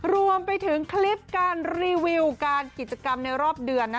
รวมไปถึงคลิปการรีวิวการกิจกรรมในรอบเดือน